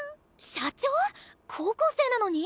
社長⁉高校生なのに？